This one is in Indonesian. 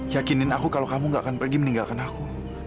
yakinin aku kalau kamu gak akan pergi meninggalkan aku